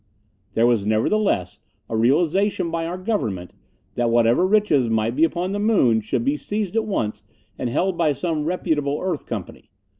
There was, nevertheless, a realization by our government, that whatever riches might be upon the Moon should be seized at once and held by some reputable Earth Company.